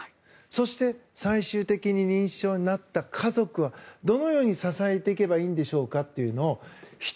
そして、最終的に認知症になった家族はどのように支えていけばいいんでしょうかというのを１